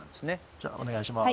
じゃあお願いします。